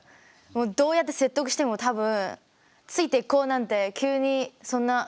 どうやって説得しても多分ついていこうなんて急にそんな早く変わらないと思う。